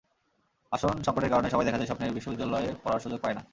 আসন সংকটের কারণে সবাই দেখা যায় স্বপ্নের বিশ্ববিদ্যালয়ে পড়ার সুযোগ পায় না।